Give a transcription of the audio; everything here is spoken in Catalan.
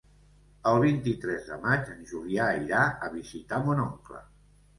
El vint-i-tres de maig en Julià irà a visitar mon oncle.